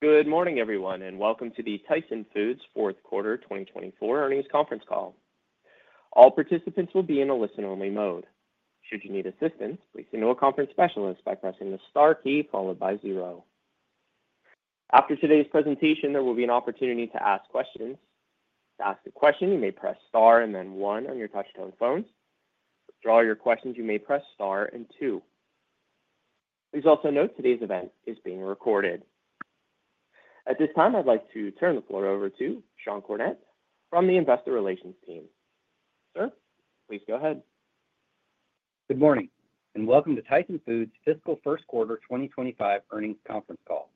Good morning, everyone, and welcome to the Tyson Foods first quarter 2025 earnings conference call. All participants will be in a listen-only mode. Should you need assistance, please send a conference specialist by pressing the star key followed by zero. After today's presentation, there will be an opportunity to ask questions. To ask a question, you may press star and then one on your touch-tone phones. To withdraw your questions, you may press star and two. Please also note today's event is being recorded. At this time, I'd like to turn the floor over to Sean Cornett from the Investor Relations team. Sir, please go ahead. Good morning and welcome to Tyson Foods fiscal first quarter 2025 earnings conference call.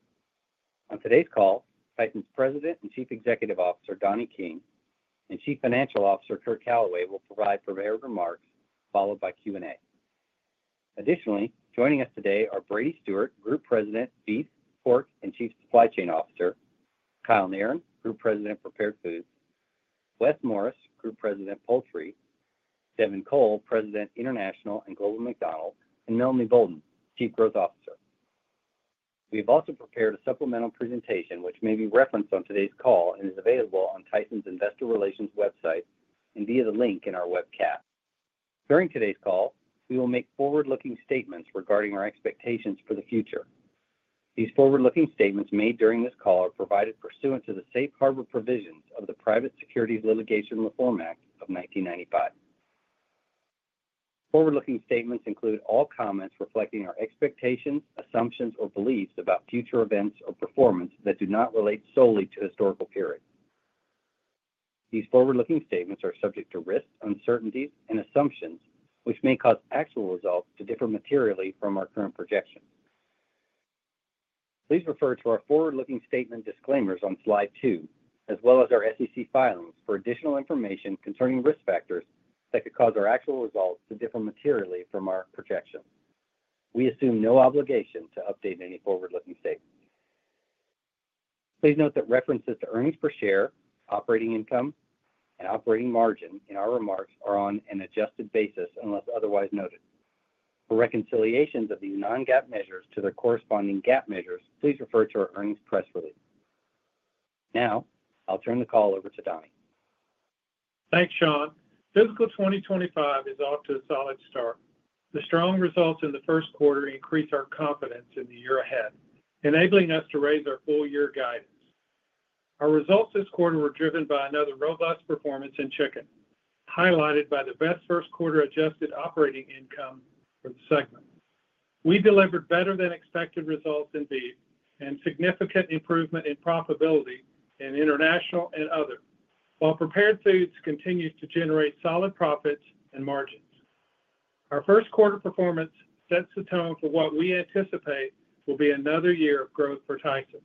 On today's call, Tyson's President and Chief Executive Officer Donnie King and Chief Financial Officer Curt Calaway will provide prepared remarks followed by Q&A. Additionally, joining us today are Brady Stewart, Group President, Beef, Pork, and Chief Supply Chain Officer; Kyle Narron, Group President, Prepared Foods; Wes Morris, Group President, Poultry; Devin Cole, President, International and Global McDonald's; and Melanie Boulden, Chief Growth Officer. We have also prepared a supplemental presentation, which may be referenced on today's call and is available on Tyson's Investor Relations website and via the link in our webcast. During today's call, we will make forward-looking statements regarding our expectations for the future. These forward-looking statements made during this call are provided pursuant to the safe harbor provisions of the Private Securities Litigation Reform Act of 1995. Forward-looking statements include all comments reflecting our expectations, assumptions, or beliefs about future events or performance that do not relate solely to historical periods. These forward-looking statements are subject to risks, uncertainties, and assumptions which may cause actual results to differ materially from our current projections. Please refer to our forward-looking statement disclaimers on slide two, as well as our SEC filings, for additional information concerning risk factors that could cause our actual results to differ materially from our projections. We assume no obligation to update any forward-looking statements. Please note that references to earnings per share, operating income, and operating margin in our remarks are on an adjusted basis unless otherwise noted. For reconciliations of these non-GAAP measures to their corresponding GAAP measures, please refer to our earnings press release. Now, I'll turn the call over to Donnie. Thanks, Sean. Fiscal 2025 is off to a solid start. The strong results in the first quarter increase our confidence in the year ahead, enabling us to raise our full-year guidance. Our results this quarter were driven by another robust performance in Chicken, highlighted by the best first quarter adjusted operating income for the segment. We delivered better-than-expected results in Beef and significant improvement in profitability in International and Other, while Prepared Foods continued to generate solid profits and margins. Our first quarter performance sets the tone for what we anticipate will be another year of growth for Tyson.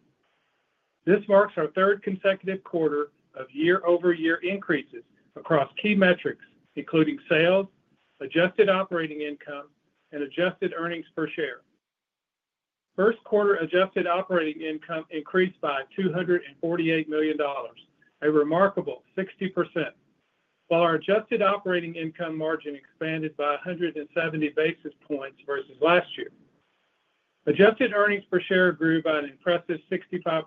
This marks our third consecutive quarter of year-over-year increases across key metrics, including sales, adjusted operating income, and adjusted earnings per share. First quarter adjusted operating income increased by $248 million, a remarkable 60%, while our adjusted operating income margin expanded by 170 basis points versus last year. Adjusted earnings per share grew by an impressive 65%.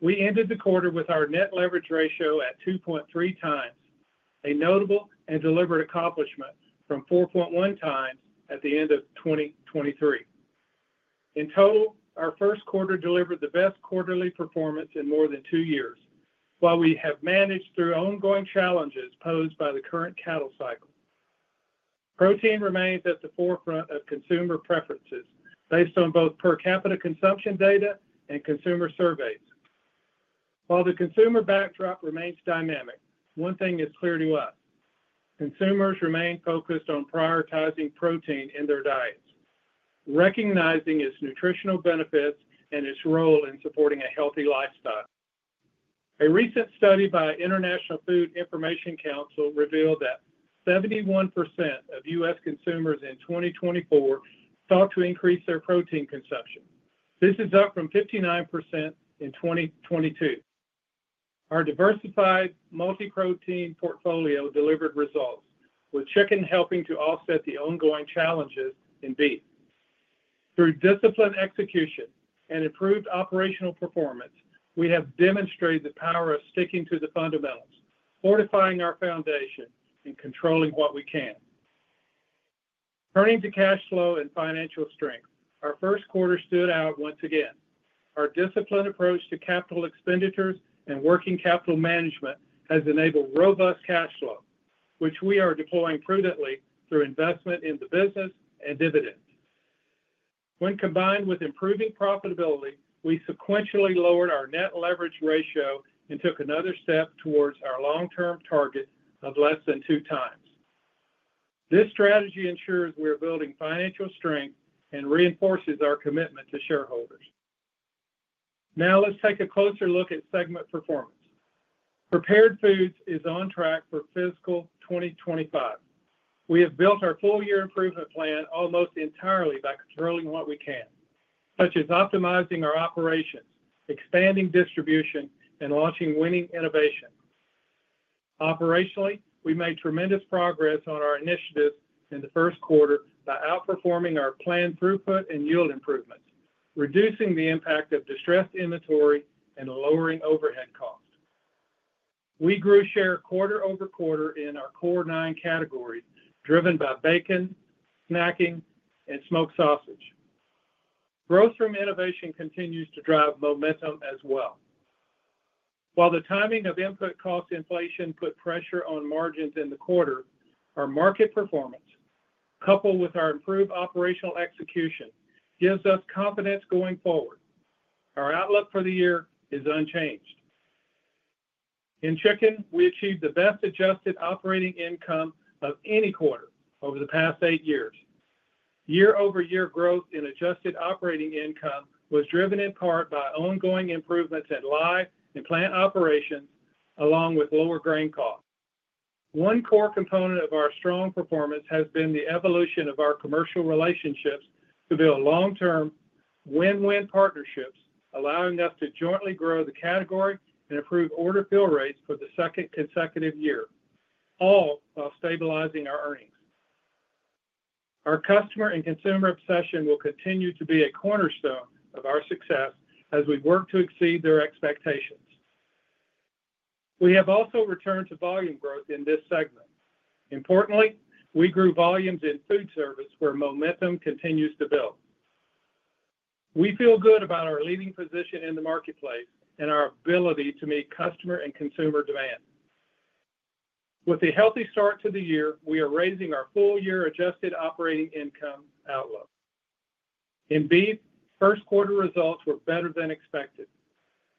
We ended the quarter with our net leverage ratio at 2.3x, a notable and deliberate accomplishment from 4.1x at the end of 2023. In total, our first quarter delivered the best quarterly performance in more than two years, while we have managed through ongoing challenges posed by the current cattle cycle. Protein remains at the forefront of consumer preferences based on both per capita consumption data and consumer surveys. While the consumer backdrop remains dynamic, one thing is clear to us: consumers remain focused on prioritizing protein in their diets, recognizing its nutritional benefits and its role in supporting a healthy lifestyle. A recent study by the International Food Information Council revealed that 71% of U.S. consumers in 2024 sought to increase their protein consumption. This is up from 59% in 2022. Our diversified multi-protein portfolio delivered results, with Chicken helping to offset the ongoing challenges in Beef. Through disciplined execution and improved operational performance, we have demonstrated the power of sticking to the fundamentals, fortifying our foundation and controlling what we can. Turning to cash flow and financial strength, our first quarter stood out once again. Our disciplined approach to capital expenditures and working capital management has enabled robust cash flow, which we are deploying prudently through investment in the business and dividends. When combined with improving profitability, we sequentially lowered our net leverage ratio and took another step towards our long-term target of less than 2x. This strategy ensures we are building financial strength and reinforces our commitment to shareholders. Now, let's take a closer look at segment performance. Prepared Foods is on track for fiscal 2025. We have built our full-year improvement plan almost entirely by controlling what we can, such as optimizing our operations, expanding distribution, and launching winning innovation. Operationally, we made tremendous progress on our initiatives in the first quarter by outperforming our planned throughput and yield improvements, reducing the impact of distressed inventory and lowering overhead costs. We grew share quarter over quarter in our core nine categories, driven by bacon, snacking, and smoked sausage. Growth from innovation continues to drive momentum as well. While the timing of input cost inflation put pressure on margins in the quarter, our market performance, coupled with our improved operational execution, gives us confidence going forward. Our outlook for the year is unchanged. In Chicken, we achieved the best adjusted operating income of any quarter over the past eight years. Year-over-year growth in adjusted operating income was driven in part by ongoing improvements in live and plant operations, along with lower grain costs. One core component of our strong performance has been the evolution of our commercial relationships to build long-term win-win partnerships, allowing us to jointly grow the category and improve order fill rates for the second consecutive year, all while stabilizing our earnings. Our customer and consumer obsession will continue to be a cornerstone of our success as we work to exceed their expectations. We have also returned to volume growth in this segment. Importantly, we grew volumes in foodservice where momentum continues to build. We feel good about our leading position in the marketplace and our ability to meet customer and consumer demand. With a healthy start to the year, we are raising our full year adjusted operating income outlook. In Beef, first quarter results were better than expected.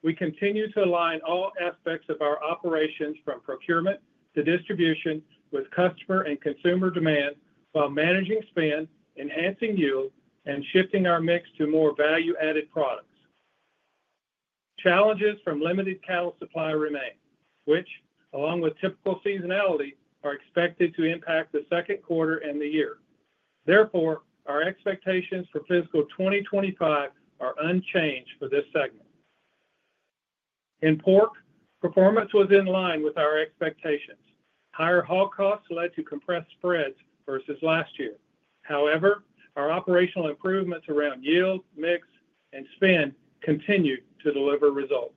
We continue to align all aspects of our operations from procurement to distribution with customer and consumer demand while managing spend, enhancing yield, and shifting our mix to more value-added products. Challenges from limited cattle supply remain, which, along with typical seasonality, are expected to impact the second quarter and the year. Therefore, our expectations for fiscal 2025 are unchanged for this segment. In Pork, performance was in line with our expectations. Higher hog costs led to compressed spreads versus last year. However, our operational improvements around yield, mix, and spend continue to deliver results.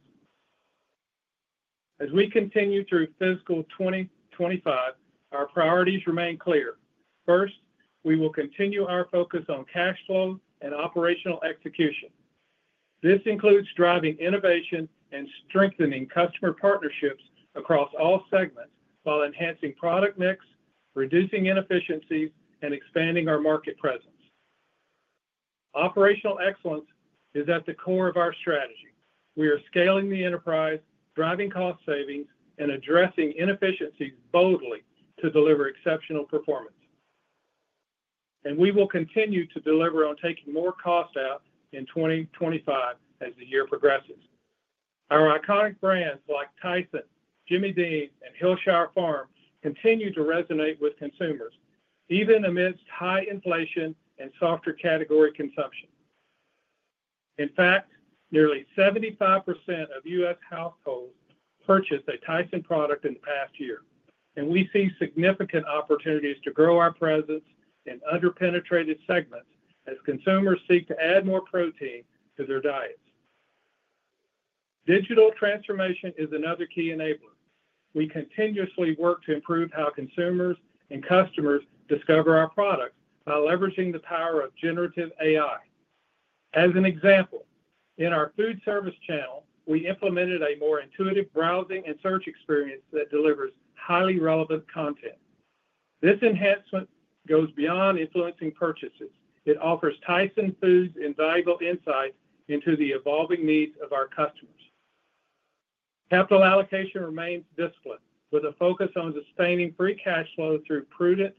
As we continue through fiscal 2025, our priorities remain clear. First, we will continue our focus on cash flow and operational execution. This includes driving innovation and strengthening customer partnerships across all segments while enhancing product mix, reducing inefficiencies, and expanding our market presence. Operational excellence is at the core of our strategy. We are scaling the enterprise, driving cost savings, and addressing inefficiencies boldly to deliver exceptional performance. And we will continue to deliver on taking more cost out in 2025 as the year progresses. Our iconic brands like Tyson, Jimmy Dean, and Hillshire Farm continue to resonate with consumers, even amidst high inflation and softer category consumption. In fact, nearly 75% of U.S. households purchased a Tyson product in the past year, and we see significant opportunities to grow our presence in underpenetrated segments as consumers seek to add more protein to their diets. Digital transformation is another key enabler. We continuously work to improve how consumers and customers discover our products by leveraging the power of generative AI. As an example, in our foodservice channel, we implemented a more intuitive browsing and search experience that delivers highly relevant content. This enhancement goes beyond influencing purchases. It offers Tyson Foods' invaluable insight into the evolving needs of our customers. Capital allocation remains disciplined, with a focus on sustaining free cash flow through prudent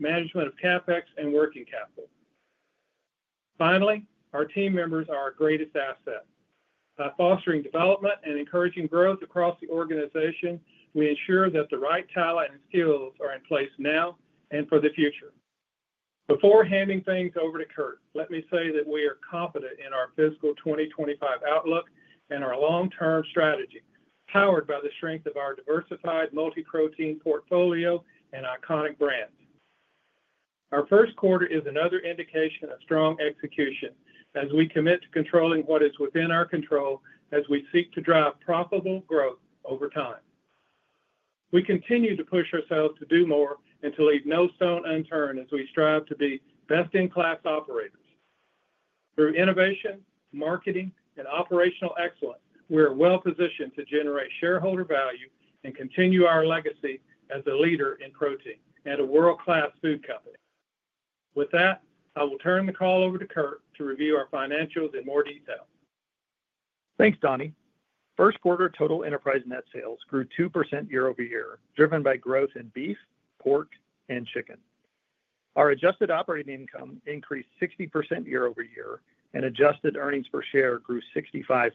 management of CapEx and working capital. Finally, our team members are our greatest asset. By fostering development and encouraging growth across the organization, we ensure that the right talent and skills are in place now and for the future. Before handing things over to Curt, let me say that we are confident in our fiscal 2025 outlook and our long-term strategy, powered by the strength of our diversified multi-protein portfolio and iconic brands. Our first quarter is another indication of strong execution as we commit to controlling what is within our control as we seek to drive profitable growth over time. We continue to push ourselves to do more and to leave no stone unturned as we strive to be best-in-class operators. Through innovation, marketing, and operational excellence, we are well-positioned to generate shareholder value and continue our legacy as a leader in protein and a world-class food company. With that, I will turn the call over to Curt to review our financials in more detail. Thanks, Donnie. First quarter total enterprise net sales grew 2% year-over-year, driven by growth in Beef, Pork, and Chicken. Our adjusted operating income increased 60% year-over-year, and adjusted earnings per share grew 65%.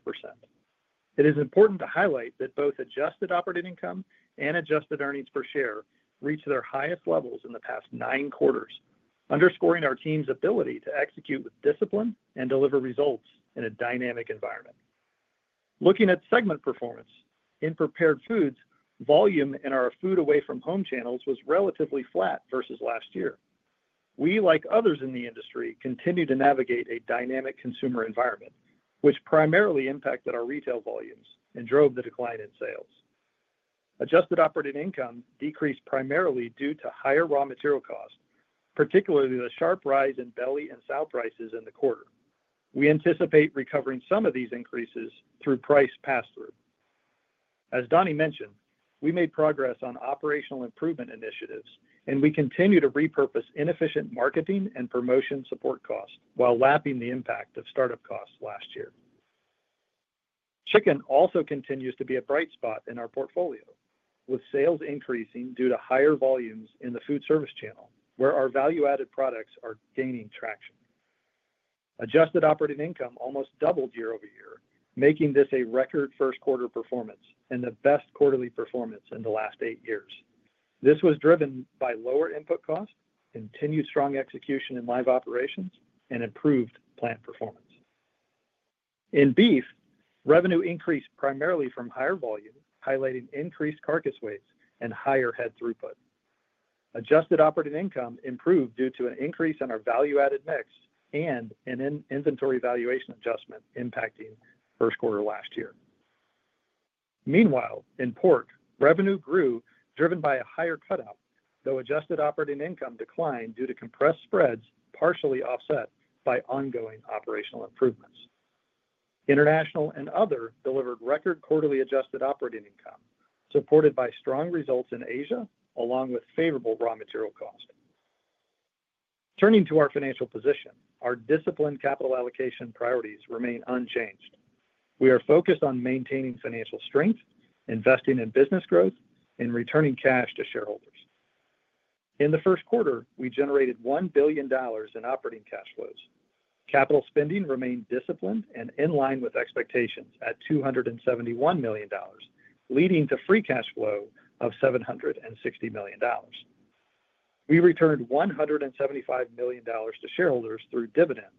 It is important to highlight that both adjusted operating income and adjusted earnings per share reached their highest levels in the past nine quarters, underscoring our team's ability to execute with discipline and deliver results in a dynamic environment. Looking at segment performance, in Prepared Foods, volume in our food away from home channels was relatively flat versus last year. We, like others in the industry, continue to navigate a dynamic consumer environment, which primarily impacted our retail volumes and drove the decline in sales. Adjusted operating income decreased primarily due to higher raw material costs, particularly the sharp rise in belly and sow prices in the quarter. We anticipate recovering some of these increases through price pass-through. As Donnie mentioned, we made progress on operational improvement initiatives, and we continue to repurpose inefficient marketing and promotion support costs while lapping the impact of startup costs last year. Chicken also continues to be a bright spot in our portfolio, with sales increasing due to higher volumes in the foodservice channel, where our value-added products are gaining traction. Adjusted operating income almost doubled year-over-year, making this a record first quarter performance and the best quarterly performance in the last eight years. This was driven by lower input costs, continued strong execution in live operations, and improved plant performance. In Beef, revenue increased primarily from higher volume, highlighting increased carcass weights and higher head throughput. Adjusted operating income improved due to an increase in our value-added mix and an inventory valuation adjustment impacting first quarter last year. Meanwhile, in Pork, revenue grew driven by a higher cutout, though adjusted operating income declined due to compressed spreads partially offset by ongoing operational improvements. International and Other delivered record quarterly adjusted operating income, supported by strong results in Asia, along with favorable raw material costs. Turning to our financial position, our disciplined capital allocation priorities remain unchanged. We are focused on maintaining financial strength, investing in business growth, and returning cash to shareholders. In the first quarter, we generated $1 billion in operating cash flows. Capital spending remained disciplined and in line with expectations at $271 million, leading to free cash flow of $760 million. We returned $175 million to shareholders through dividends,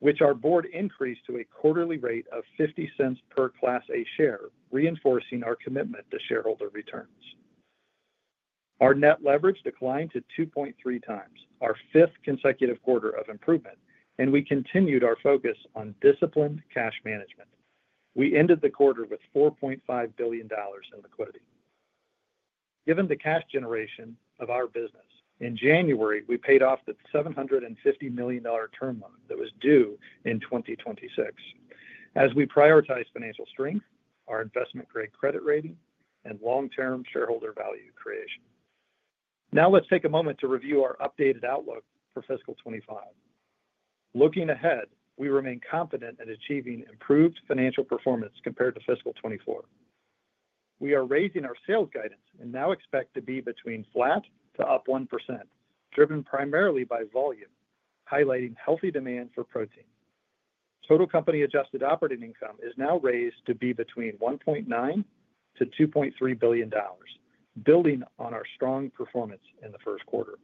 which our board increased to a quarterly rate of $0.50 per Class A share, reinforcing our commitment to shareholder returns. Our net leverage declined to 2.3x, our fifth consecutive quarter of improvement, and we continued our focus on disciplined cash management. We ended the quarter with $4.5 billion in liquidity. Given the cash generation of our business, in January, we paid off the $750 million term loan that was due in 2026, as we prioritized financial strength, our investment-grade credit rating, and long-term shareholder value creation. Now, let's take a moment to review our updated outlook for fiscal 25. Looking ahead, we remain confident in achieving improved financial performance compared to fiscal 24. We are raising our sales guidance and now expect to be between flat to up 1%, driven primarily by volume, highlighting healthy demand for protein. Total company adjusted operating income is now raised to be between $1.9 billion-$2.3 billion, building on our strong performance in the first quarter.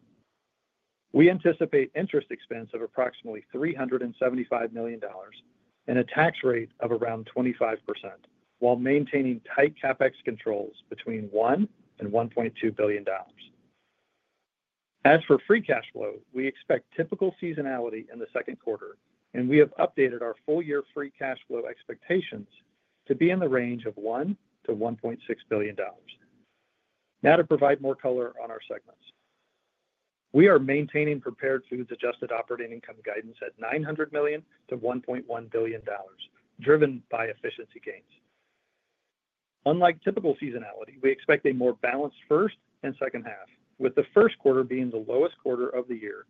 We anticipate interest expense of approximately $375 million and a tax rate of around 25%, while maintaining tight CapEx controls between $1 and $1.2 billion. As for free cash flow, we expect typical seasonality in the second quarter, and we have updated our full-year free cash flow expectations to be in the range of $1 billion-$1.6 billion. Now, to provide more color on our segments, we are maintaining Prepared Foods adjusted operating income guidance at $900 million-$1.1 billion, driven by efficiency gains. Unlike typical seasonality, we expect a more balanced first and second half, with the first quarter being the lowest quarter of the year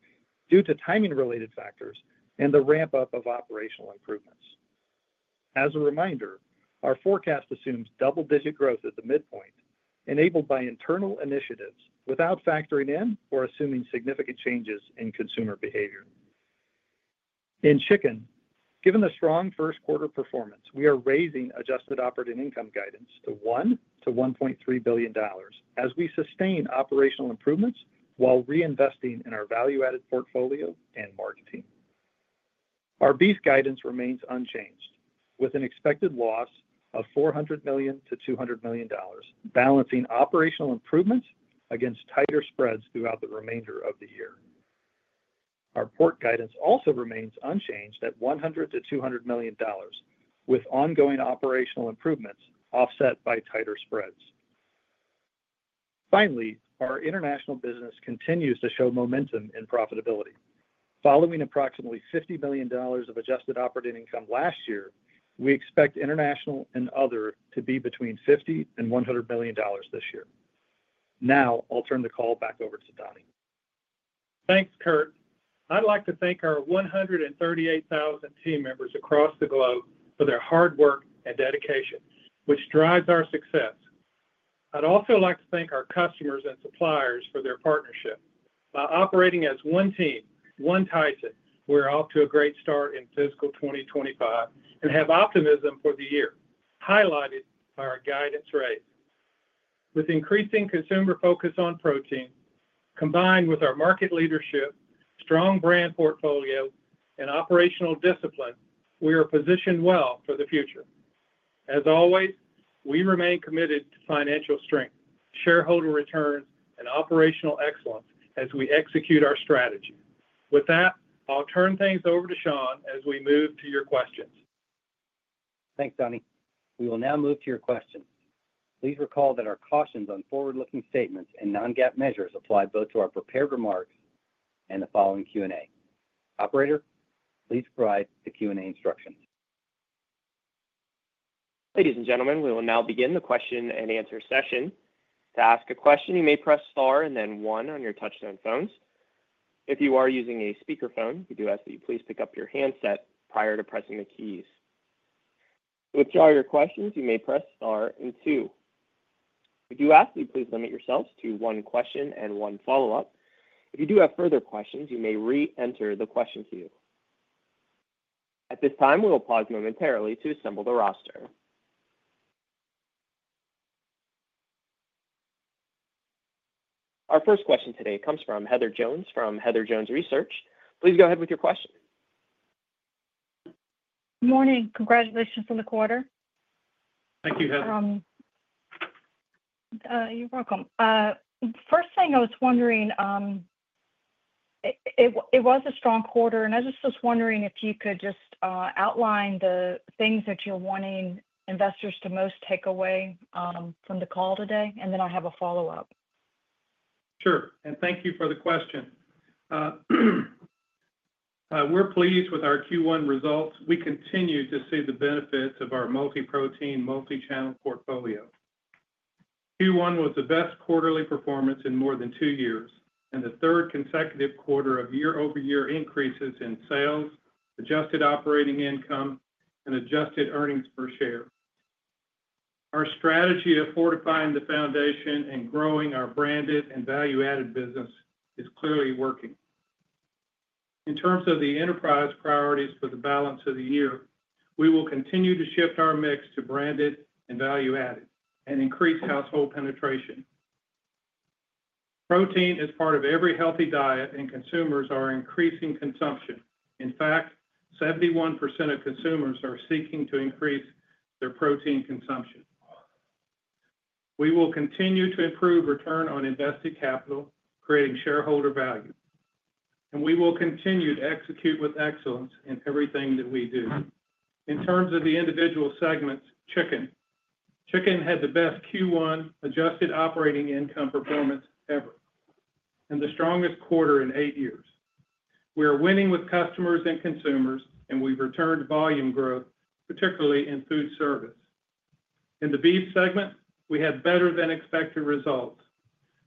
due to timing-related factors and the ramp-up of operational improvements. As a reminder, our forecast assumes double-digit growth at the midpoint, enabled by internal initiatives without factoring in or assuming significant changes in consumer behavior. In Chicken, given the strong first quarter performance, we are raising adjusted operating income guidance to $1 billion-$1.3 billion as we sustain operational improvements while reinvesting in our value-added portfolio and marketing. Our Beef guidance remains unchanged, with an expected loss of $400 million-$200 million, balancing operational improvements against tighter spreads throughout the remainder of the year. Our Pork guidance also remains unchanged at $100 million-$200 million, with ongoing operational improvements offset by tighter spreads. Finally, our international business continues to show momentum in profitability. Following approximately $50 million of adjusted operating income last year, we expect International and Other to be between $50 million and $100 million this year. Now, I'll turn the call back over to Donnie. Thanks, Curt. I'd like to thank our 138,000 team members across the globe for their hard work and dedication, which drives our success. I'd also like to thank our customers and suppliers for their partnership. By operating as one team, one Tyson, we're off to a great start in fiscal 2025 and have optimism for the year, highlighted by our guidance raise. With increasing consumer focus on protein, combined with our market leadership, strong brand portfolio, and operational discipline, we are positioned well for the future. As always, we remain committed to financial strength, shareholder returns, and operational excellence as we execute our strategy. With that, I'll turn things over to Sean as we move to your questions. Thanks, Donnie. We will now move to your questions. Please recall that our cautions on forward-looking statements and non-GAAP measures apply both to our prepared remarks and the following Q&A. Operator, please provide the Q&A instructions. Ladies and gentlemen, we will now begin the question-and-answer session. To ask a question, you may press star and then one on your touch-tone phones. If you are using a speakerphone, we do ask that you please pick up your handset prior to pressing the keys. To withdraw your questions, you may press star and two. We do ask that you please limit yourselves to one question and one follow-up. If you do have further questions, you may re-enter the question queue. At this time, we will pause momentarily to assemble the roster. Our first question today comes from Heather Jones from Heather Jones Research. Please go ahead with your question. Good morning. Congratulations on the quarter. Thank you, Heather. You're welcome. First thing, I was wondering, it was a strong quarter, and I was just wondering if you could just outline the things that you're wanting investors to most take away from the call today, and then I'll have a follow-up. Sure. And thank you for the question. We're pleased with our Q1 results. We continue to see the benefits of our multi-protein, multi-channel portfolio. Q1 was the best quarterly performance in more than two years, and the third consecutive quarter of year-over-year increases in sales, adjusted operating income, and adjusted earnings per share. Our strategy of fortifying the foundation and growing our branded and value-added business is clearly working. In terms of the enterprise priorities for the balance of the year, we will continue to shift our mix to branded and value-added and increase household penetration. Protein is part of every healthy diet, and consumers are increasing consumption. In fact, 71% of consumers are seeking to increase their protein consumption. We will continue to improve return on invested capital, creating shareholder value. And we will continue to execute with excellence in everything that we do. In terms of the individual segments: Chicken. Chicken had the best Q1 adjusted operating income performance ever and the strongest quarter in eight years. We are winning with customers and consumers, and we've returned volume growth, particularly in foodservice. In the Beef segment, we had better-than-expected results.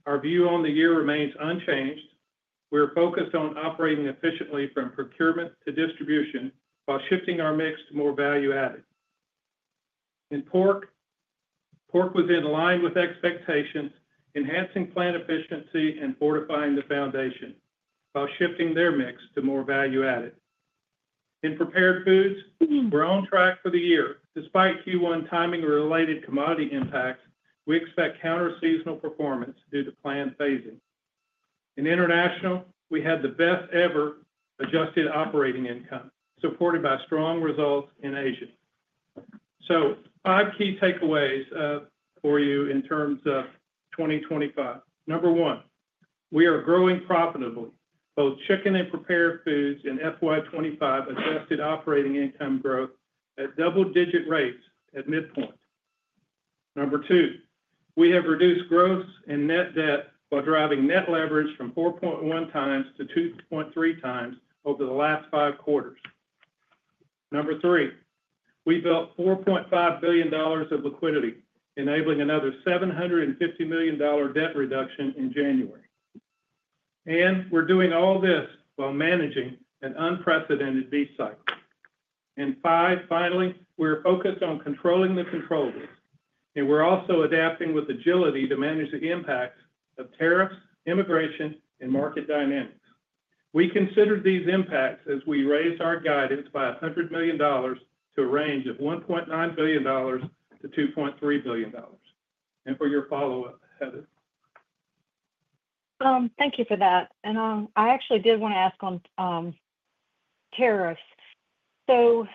Our view on the year remains unchanged. We are focused on operating efficiently from procurement to distribution while shifting our mix to more value-added. In Pork, Pork was in line with expectations, enhancing plant efficiency and fortifying the foundation while shifting their mix to more value-added. In Prepared Foods, we're on track for the year. Despite Q1 timing-related commodity impacts, we expect counter-seasonal performance due to planned phasing. In international, we had the best-ever adjusted operating income, supported by strong results in Asia. So, five key takeaways for you in terms of 2025. Number one, we are growing profitably. Both Chicken and Prepared Foods in FY 2025 Adjusted Operating Income growth at double-digit rates at midpoint. Number two, we have reduced gross and net debt while driving net leverage from 4.1x to 2.3x over the last five quarters. Number three, we built $4.5 billion of liquidity, enabling another $750 million debt reduction in January. And we're doing all this while managing an unprecedented Beef cycle. And finally, we're focused on controlling the controls, and we're also adapting with agility to manage the impacts of tariffs, immigration, and market dynamics. We considered these impacts as we raised our guidance by $100 million to a range of $1.9 billion-$2.3 billion. And for your follow-up, Heather. Thank you for that. And I actually did want to ask on tariffs. So,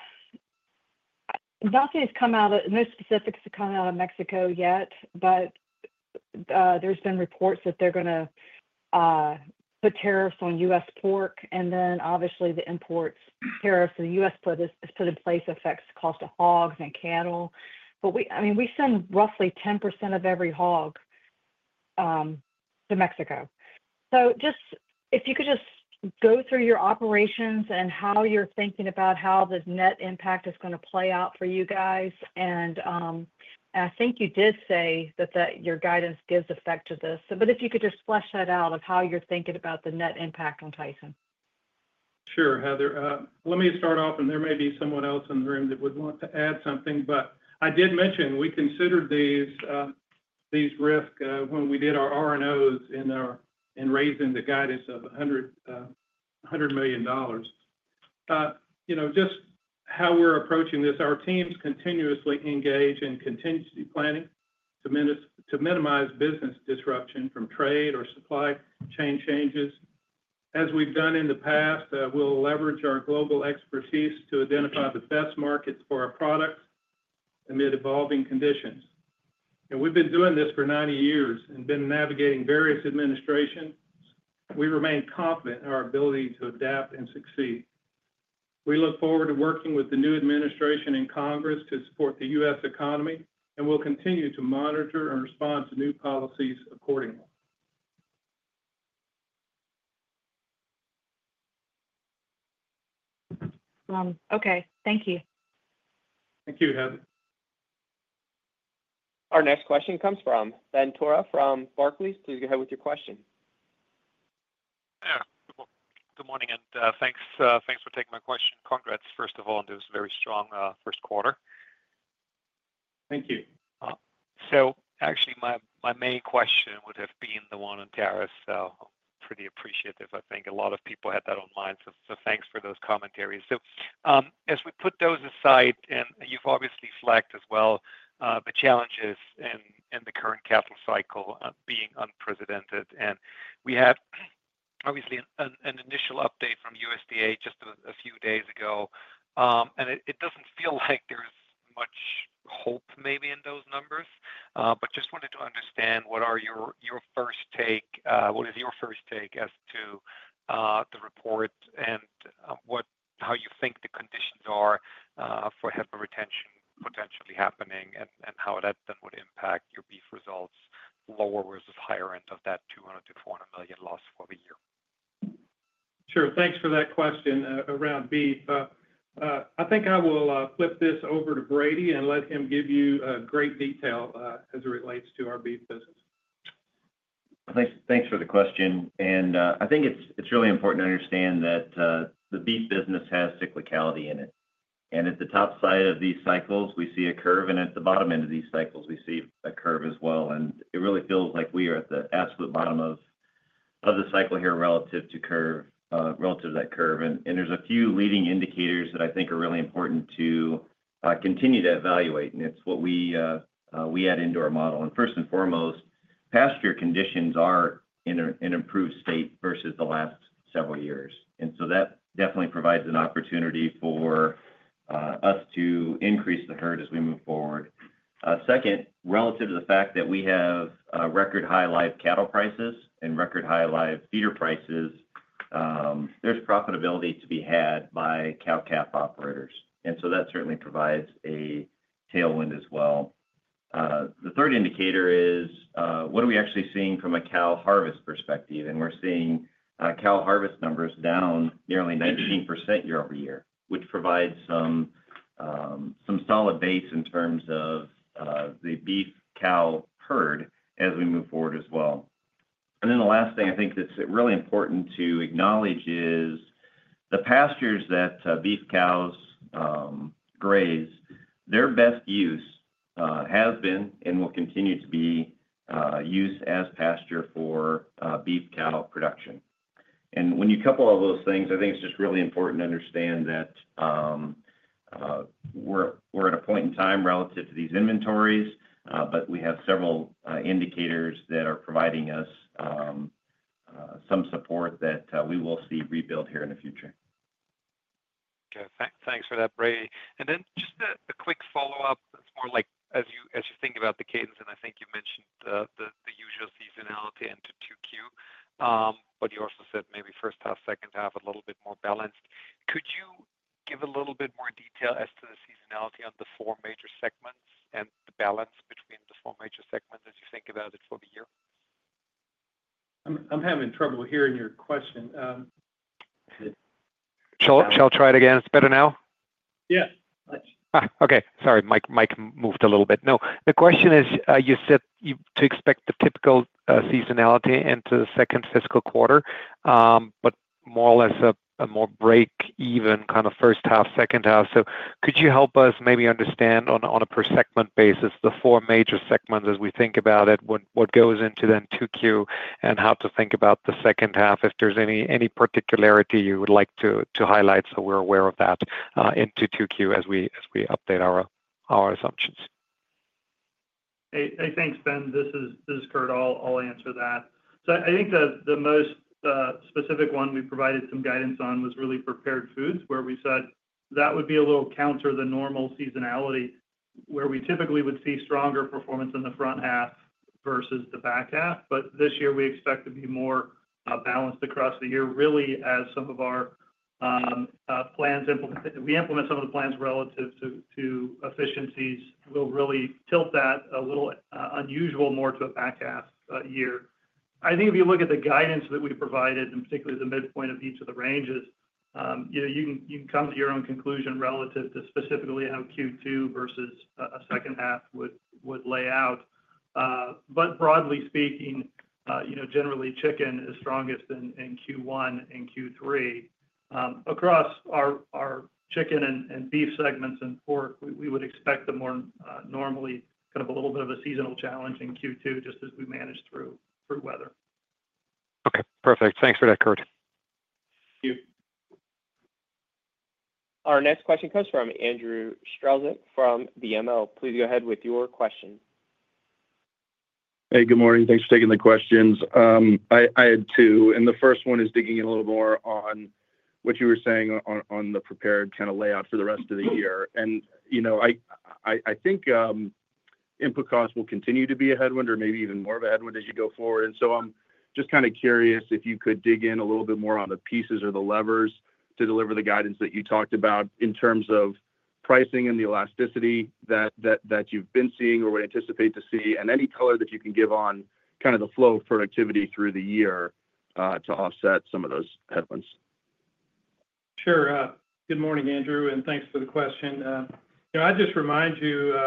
nothing has come out, no specifics to come out of Mexico yet, but there's been reports that they're going to put tariffs on U.S. pork, and then obviously the imports tariffs that the U.S. put in place affects the cost of hogs and cattle. But I mean, we send roughly 10% of every hog to Mexico. So just if you could go through your operations and how you're thinking about how this net impact is going to play out for you guys. And I think you did say that your guidance gives effect to this. But if you could just flesh that out, how you're thinking about the net impact on Tyson. Sure, Heather. Let me start off, and there may be someone else in the room that would want to add something, but I did mention we considered these risks when we did our R&Os in raising the guidance of $100 million. Just how we're approaching this, our teams continuously engage in contingency planning to minimize business disruption from trade or supply chain changes. As we've done in the past, we'll leverage our global expertise to identify the best markets for our products amid evolving conditions, and we've been doing this for 90 years and been navigating various administrations. We remain confident in our ability to adapt and succeed. We look forward to working with the new administration and Congress to support the U.S. economy, and we'll continue to monitor and respond to new policies accordingly. Okay. Thank you. Thank you, Heather. Our next question comes from Ben Theurer from Barclays. Please go ahead with your question. Yeah. Good morning. And thanks for taking my question. Congrats, first of all, on this very strong first quarter. Thank you. So actually, my main question would have been the one on tariffs. I'm pretty appreciative. I think a lot of people had that online. Thanks for those comments. As we put those aside, and you've obviously flagged as well the challenges in the current capital cycle being unprecedented. We had obviously an initial update from USDA just a few days ago. It doesn't feel like there's much hope maybe in those numbers. I just wanted to understand what your first take is. What is your first take as to the report and how you think the conditions are for heifer retention potentially happening and how that then would impact your beef results, lower versus higher end of that $200 million-$400 million loss for the year? Sure. Thanks for that question around Beef. I think I will flip this over to Brady and let him give you great detail as it relates to our Beef business. Thanks for the question. And I think it's really important to understand that the Beef business has cyclicality in it. And at the top side of these cycles, we see a curve. And at the bottom end of these cycles, we see a curve as well. And it really feels like we are at the absolute bottom of the cycle here relative to that curve. And there's a few leading indicators that I think are really important to continue to evaluate. And it's what we add into our model. And first and foremost, pasture conditions are in an improved state versus the last several years. And so that definitely provides an opportunity for us to increase the herd as we move forward. Second, relative to the fact that we have record-high live cattle prices and record-high live feeder prices, there's profitability to be had by cow-calf operators. And so that certainly provides a tailwind as well. The third indicator is what are we actually seeing from a cow harvest perspective? And we're seeing cow harvest numbers down nearly 19% year-over-year, which provides some solid base in terms of the beef-cow herd as we move forward as well. And then the last thing I think that's really important to acknowledge is the pastures that beef cows graze, their best use has been and will continue to be used as pasture for beef-cow production. And when you couple all those things, I think it's just really important to understand that we're at a point in time relative to these inventories, but we have several indicators that are providing us some support that we will see rebuilt here in the future. Okay. Thanks for that, Brady. And then just a quick follow-up. It's more like as you think about the cadence, and I think you mentioned the usual seasonality and Q2, but you also said maybe first half, second half, a little bit more balanced. Could you give a little bit more detail as to the seasonality on the four major segments and the balance between the four major segments as you think about it for the year? I'm having trouble hearing your question. Shall I try it again? It's better now? Yeah. Okay. Sorry. Mic moved a little bit. No. The question is you said to expect the typical seasonality into the second fiscal quarter, but more or less a more break-even kind of first half, second half. So could you help us maybe understand on a per-segment basis the four major segments as we think about it, what goes into Q2, and how to think about the second half, if there's any particularity you would like to highlight so we're aware of that into Q2 as we update our assumptions? Hey, thanks, Ben. This is Curt. I'll answer that. So I think the most specific one we provided some guidance on was really Prepared Foods, where we said that would be a little counter the normal seasonality, where we typically would see stronger performance in the front half versus the back half. But this year, we expect to be more balanced across the year, really as some of our plans implement some of the plans relative to efficiencies. We'll really tilt that a little unusual more to a back half year. I think if you look at the guidance that we provided, and particularly the midpoint of each of the ranges, you can come to your own conclusion relative to specifically how Q2 versus a second half would lay out. But broadly speaking, generally, Chicken is strongest in Q1 and Q3. Across our Chicken and Beef segments and Pork, we would expect the more normally kind of a little bit of a seasonal challenge in Q2 just as we manage through weather. Okay. Perfect. Thanks for that, Curt. Thank you. Our next question comes from Andrew Strelzik from BMO. Please go ahead with your question. Hey, good morning. Thanks for taking the questions. I had two. And the first one is digging in a little more on what you were saying on the Prepared Foods outlook for the rest of the year. And I think input costs will continue to be a headwind or maybe even more of a headwind as you go forward. And so I'm just kind of curious if you could dig in a little bit more on the pieces or the levers to deliver the guidance that you talked about in terms of pricing and the elasticity that you've been seeing or would anticipate to see, and any color that you can give on kind of the flow of productivity through the year to offset some of those headwinds. Sure. Good morning, Andrew, and thanks for the question. I'd just remind you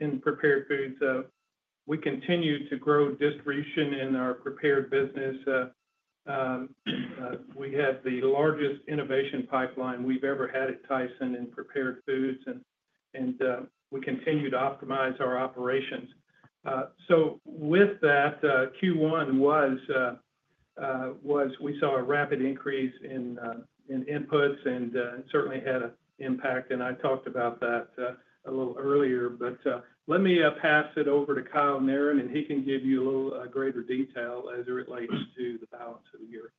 in Prepared Foods, we continue to grow distribution in our Prepared business. We have the largest innovation pipeline we've ever had at Tyson in Prepared Foods, and we continue to optimize our operations, so with that, Q1 was we saw a rapid increase in inputs and certainly had an impact, and I talked about that a little earlier, but let me pass it over to Kyle Narron, and he can give you a little greater detail as it relates to the balance of the year.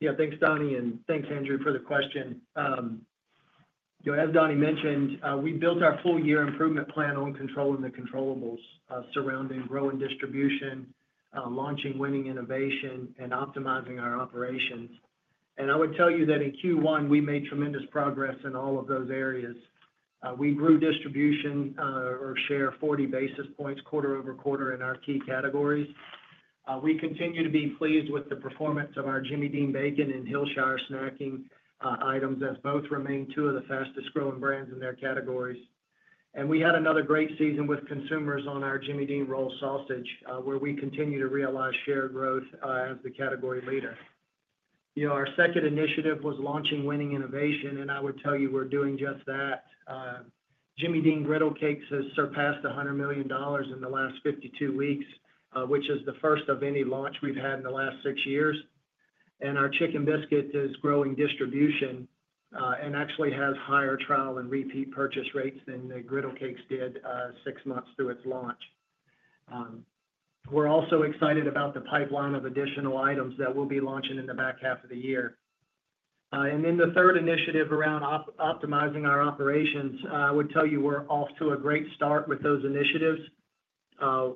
Yeah. Thanks, Donnie. And thanks, Andrew, for the question. As Donnie mentioned, we built our full-year improvement plan on controlling the controllables, surrounding growing distribution, launching winning innovation, and optimizing our operations. And I would tell you that in Q1, we made tremendous progress in all of those areas. We grew distribution or share 40 basis points quarter over quarter in our key categories. We continue to be pleased with the performance of our Jimmy Dean bacon and Hillshire Snacking items, as both remain two of the fastest-growing brands in their categories. And we had another great season with consumers on our Jimmy Dean roll sausage, where we continue to realize shared growth as the category leader. Our second initiative was launching winning innovation, and I would tell you we're doing just that. Jimmy Dean Griddle Cakes has surpassed $100 million in the last 52 weeks, which is the first of any launch we've had in the last six years. Our Chicken Biscuit is growing distribution and actually has higher trial and repeat purchase rates than the Griddle Cakes did six months through its launch. We're also excited about the pipeline of additional items that we'll be launching in the back half of the year. The third initiative around optimizing our operations, I would tell you we're off to a great start with those initiatives.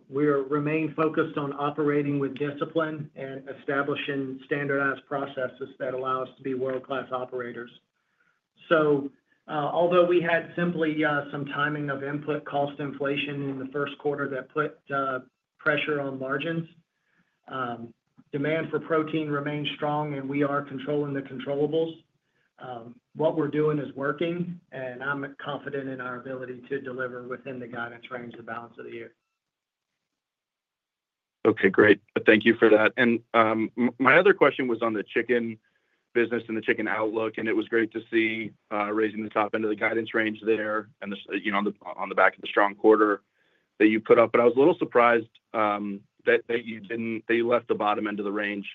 We remain focused on operating with discipline and establishing standardized processes that allow us to be world-class operators. Although we had simply some timing of input cost inflation in the first quarter that put pressure on margins, demand for protein remains strong, and we are controlling the controllables. What we're doing is working, and I'm confident in our ability to deliver within the guidance range of the balance of the year. Okay. Great. Thank you for that. And my other question was on the Chicken business and the Chicken outlook, and it was great to see raising the top end of the guidance range there on the back of the strong quarter that you put up. But I was a little surprised that you left the bottom end of the range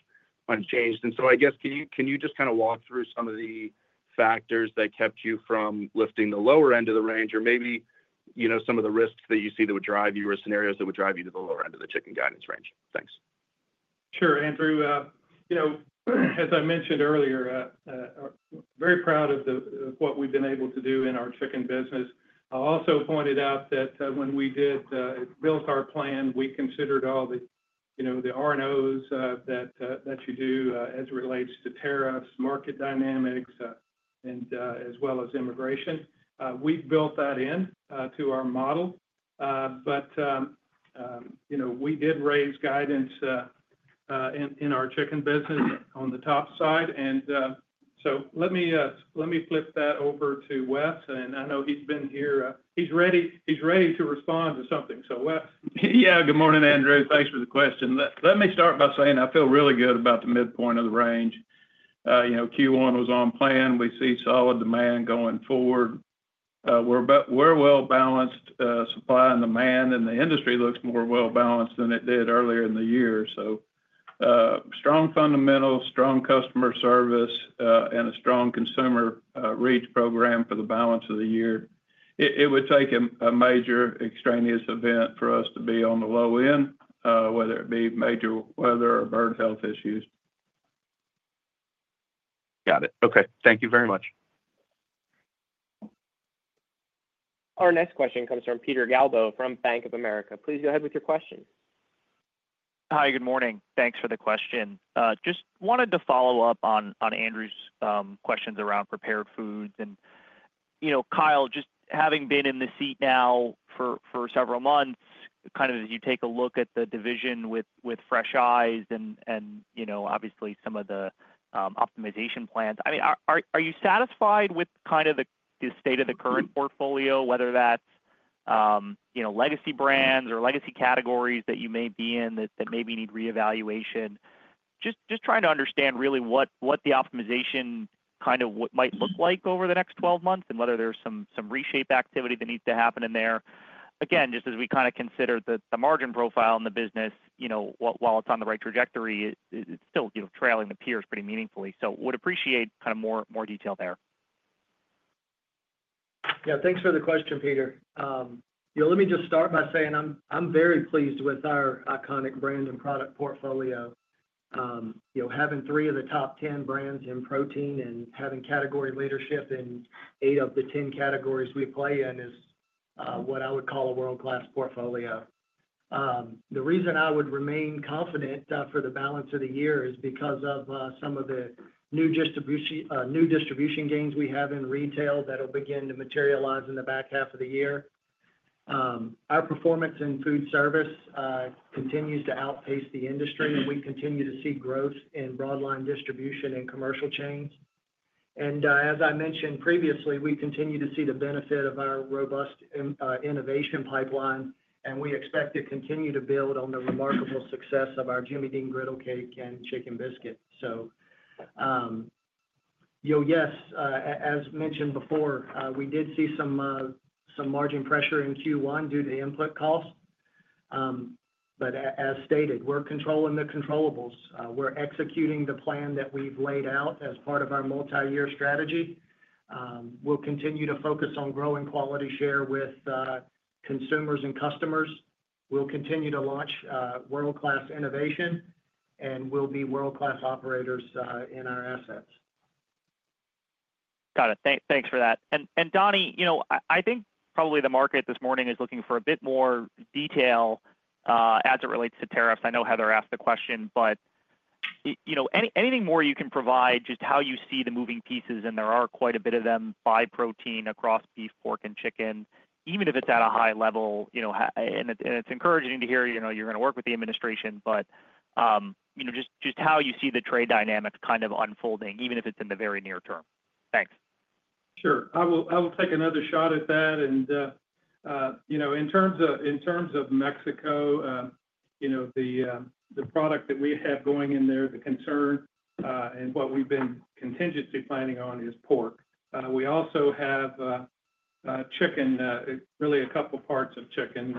unchanged. And so I guess, can you just kind of walk through some of the factors that kept you from lifting the lower end of the range, or maybe some of the risks that you see that would drive you or scenarios that would drive you to the lower end of the Chicken guidance range? Thanks. Sure. Andrew, as I mentioned earlier, very proud of what we've been able to do in our Chicken business. I also pointed out that when we did build our plan, we considered all the R&Os that you do as it relates to tariffs, market dynamics, and as well as immigration. We built that into our model. But we did raise guidance in our Chicken business on the top side. And so let me flip that over to Wes, and I know he's been here. He's ready to respond to something. So Wes. Yeah. Good morning, Andrew. Thanks for the question. Let me start by saying I feel really good about the midpoint of the range. Q1 was on plan. We see solid demand going forward. We're well-balanced supply and demand, and the industry looks more well-balanced than it did earlier in the year. So strong fundamentals, strong customer service, and a strong consumer reach program for the balance of the year. It would take a major extraneous event for us to be on the low end, whether it be major weather or bird health issues. Got it. Okay. Thank you very much. Our next question comes from Peter Galbo from Bank of America. Please go ahead with your question. Hi. Good morning. Thanks for the question. Just wanted to follow up on Andrew's questions around Prepared Foods, and Kyle, just having been in the seat now for several months, kind of as you take a look at the division with fresh eyes and obviously some of the optimization plans, I mean, are you satisfied with kind of the state of the current portfolio, whether that's legacy brands or legacy categories that you may be in that maybe need reevaluation? Just trying to understand really what the optimization kind of might look like over the next 12 months and whether there's some reshape activity that needs to happen in there. Again, just as we kind of consider the margin profile in the business, while it's on the right trajectory, it's still trailing the peers pretty meaningfully. So would appreciate kind of more detail there. Yeah. Thanks for the question, Peter. Let me just start by saying I'm very pleased with our iconic brand and product portfolio. Having three of the top 10 brands in protein and having category leadership in eight of the 10 categories we play in is what I would call a world-class portfolio. The reason I would remain confident for the balance of the year is because of some of the new distribution gains we have in retail that will begin to materialize in the back half of the year. Our performance in foodservice continues to outpace the industry, and we continue to see growth in broadline distribution and commercial chains. As I mentioned previously, we continue to see the benefit of our robust innovation pipeline, and we expect to continue to build on the remarkable success of our Jimmy Dean Griddle Cakes and Chicken Biscuit. So yes, as mentioned before, we did see some margin pressure in Q1 due to input costs. But as stated, we're controlling the controllables. We're executing the plan that we've laid out as part of our multi-year strategy. We'll continue to focus on growing quality share with consumers and customers. We'll continue to launch world-class innovation, and we'll be world-class operators in our assets. Got it. Thanks for that, and Donnie, I think probably the market this morning is looking for a bit more detail as it relates to tariffs. I know Heather asked the question, but anything more you can provide, just how you see the moving pieces, and there are quite a bit of them by protein across Beef, Pork, and Chicken, even if it's at a high level, and it's encouraging to hear you're going to work with the administration, but just how you see the trade dynamics kind of unfolding, even if it's in the very near term. Thanks. Sure. I will take another shot at that. And in terms of Mexico, the product that we have going in there, the concern and what we've been contingency planning on is pork. We also have chicken, really a couple parts of chicken.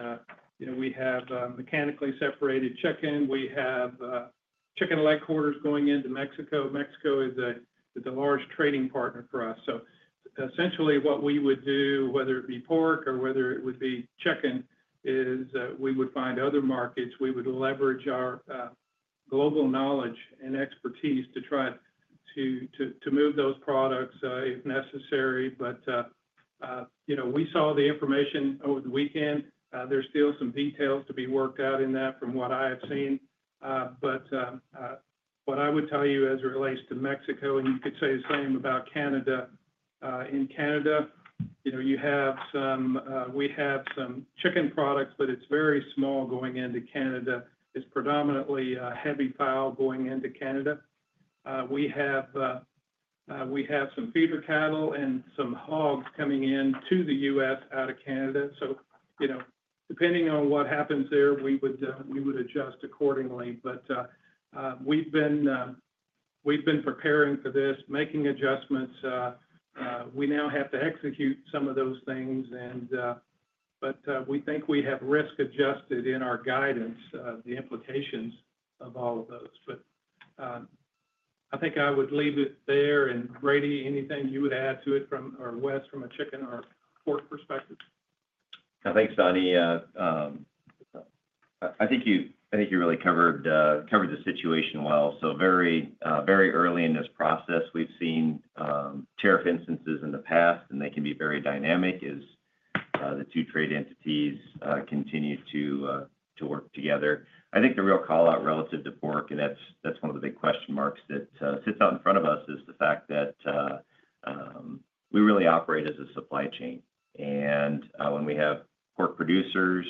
We have mechanically separated chicken. We have chicken leg quarters going into Mexico. Mexico is a large trading partner for us. So essentially, what we would do, whether it be pork or whether it would be chicken, is we would find other markets. We would leverage our global knowledge and expertise to try to move those products if necessary. But we saw the information over the weekend. There's still some details to be worked out in that from what I have seen. But what I would tell you as it relates to Mexico, and you could say the same about Canada. In Canada, you have some chicken products, but it's very small going into Canada. It's predominantly heavy fowl going into Canada. We have some feeder cattle and some hogs coming into the U.S. out of Canada. So depending on what happens there, we would adjust accordingly. But we've been preparing for this, making adjustments. We now have to execute some of those things. But we think we have risk-adjusted in our guidance, the implications of all of those. But I think I would leave it there. And Brady, anything you would add to it from or Wes from a Chicken or Pork perspective? Thanks, Donnie. I think you really covered the situation well. So very early in this process, we've seen tariff instances in the past, and they can be very dynamic as the two trade entities continue to work together. I think the real callout relative to Pork, and that's one of the big question marks that sits out in front of us, is the fact that we really operate as a supply chain. And when we have pork producers,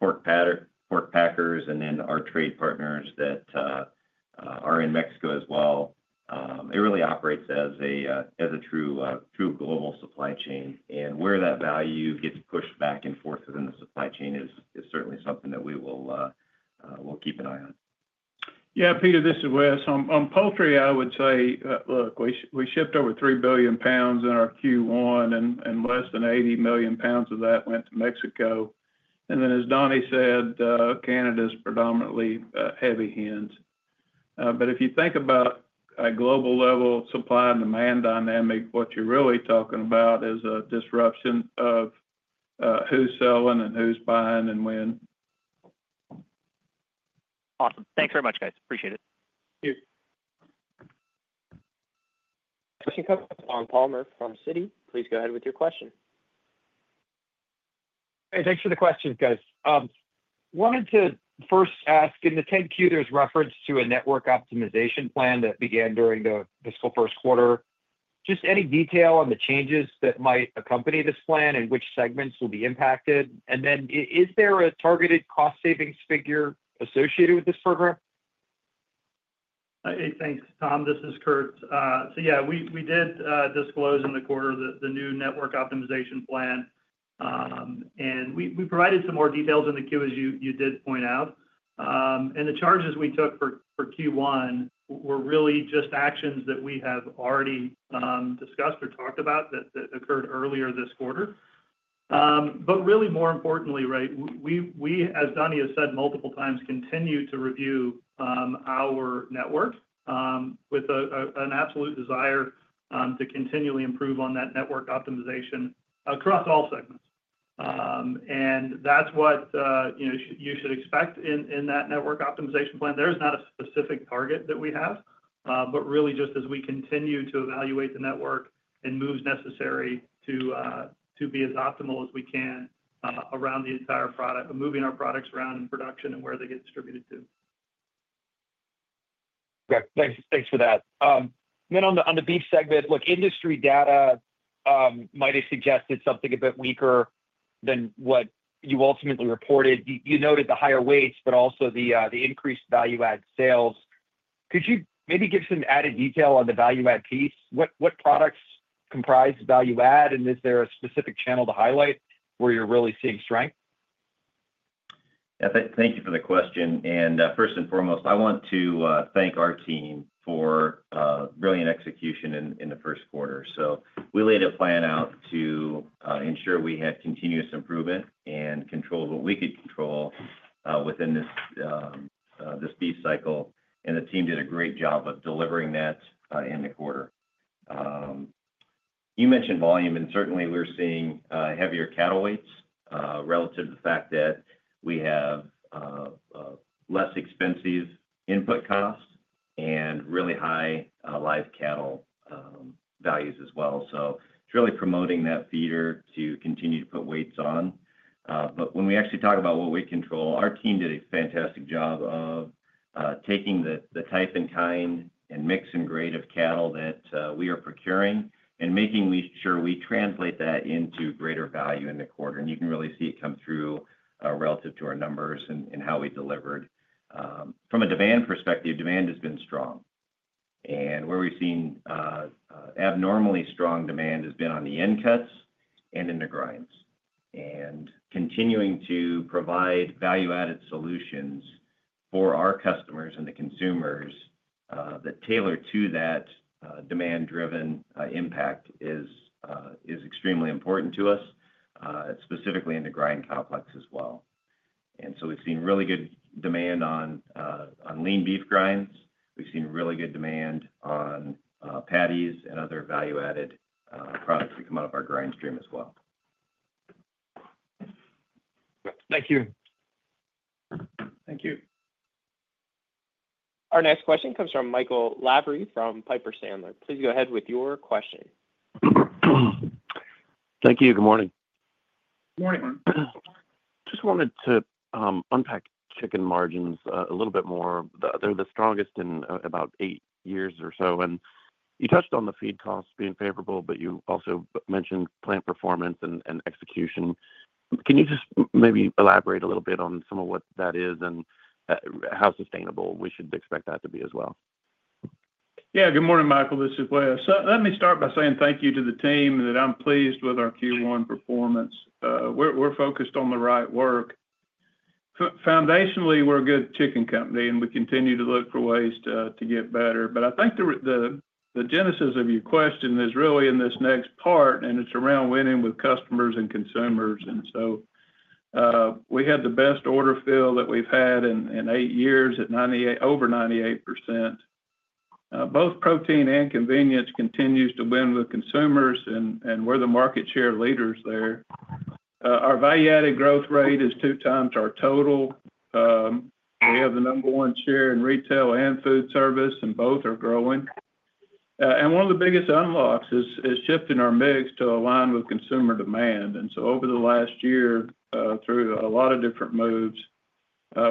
pork packers, and then our trade partners that are in Mexico as well, it really operates as a true global supply chain. And where that value gets pushed back and forth within the supply chain is certainly something that we will keep an eye on. Yeah. Peter, this is Wes. On Poultry, I would say, look, we shipped over 3 billion lbs in our Q1, and less than 80 million lbs of that went to Mexico. And then, as Donnie said, Canada's predominantly heavy hens. But if you think about a global-level supply and demand dynamic, what you're really talking about is a disruption of who's selling and who's buying and when. Awesome. Thanks very much, guys. Appreciate it. Thank you. Question comes on Tom Palmer from Citi. Please go ahead with your question. Hey, thanks for the question, guys. Wanted to first ask, in the 10-Q, there's reference to a network optimization plan that began during the fiscal first quarter. Just any detail on the changes that might accompany this plan and which segments will be impacted? And then, is there a targeted cost savings figure associated with this program? Hey, thanks, Tom. This is Curt. So yeah, we did disclose in the quarter the new network optimization plan. And we provided some more details in the Q, as you did point out. And the charges we took for Q1 were really just actions that we have already discussed or talked about that occurred earlier this quarter. But really, more importantly, right, we, as Donnie has said multiple times, continue to review our network with an absolute desire to continually improve on that network optimization across all segments. And that's what you should expect in that network optimization plan. There is not a specific target that we have, but really just as we continue to evaluate the network and moves necessary to be as optimal as we can around the entire product, moving our products around in production and where they get distributed to. Okay. Thanks for that. And then on the Beef segment, look, industry data might have suggested something a bit weaker than what you ultimately reported. You noted the higher weights, but also the increased value-add sales. Could you maybe give some added detail on the value-add piece? What products comprise value-add, and is there a specific channel to highlight where you're really seeing strength? Yeah. Thank you for the question. And first and foremost, I want to thank our team for brilliant execution in the first quarter. So we laid a plan out to ensure we had continuous improvement and control of what we could control within this beef cycle. And the team did a great job of delivering that in the quarter. You mentioned volume, and certainly, we're seeing heavier cattle weights relative to the fact that we have less expensive input costs and really high live cattle values as well. So it's really promoting that feeder to continue to put weights on. But when we actually talk about what we control, our team did a fantastic job of taking the type and kind and mix and grade of cattle that we are procuring and making sure we translate that into greater value in the quarter. And you can really see it come through relative to our numbers and how we delivered. From a demand perspective, demand has been strong. And where we've seen abnormally strong demand has been on the end cuts and in the grinds. And continuing to provide value-added solutions for our customers and the consumers that tailor to that demand-driven impact is extremely important to us, specifically in the grind complex as well. And so we've seen really good demand on lean beef grinds. We've seen really good demand on patties and other value-added products that come out of our grind stream as well. Thank you. Thank you. Our next question comes from Michael Lavery from Piper Sandler. Please go ahead with your question. Thank you. Good morning. Good morning, Mike. Just wanted to unpack chicken margins a little bit more. They're the strongest in about eight years or so, and you touched on the feed costs being favorable, but you also mentioned plant performance and execution. Can you just maybe elaborate a little bit on some of what that is and how sustainable we should expect that to be as well? Yeah. Good morning, Michael. This is Wes. Let me start by saying thank you to the team that I'm pleased with our Q1 performance. We're focused on the right work. Foundationally, we're a good chicken company, and we continue to look for ways to get better. But I think the genesis of your question is really in this next part, and it's around winning with customers and consumers. And so we had the best order fill that we've had in eight years at over 98%. Both protein and convenience continues to win with consumers, and we're the market share leaders there. Our value-added growth rate is 2x our total. We have the number one share in retail and foodservice, and both are growing. And one of the biggest unlocks is shifting our mix to align with consumer demand. And so over the last year, through a lot of different moves,